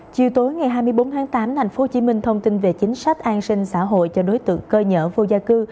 chiều tối ngày hai mươi bốn tháng tám tp hcm thông tin về chính sách an sinh xã hội cho đối tượng cơ nhở vô gia cư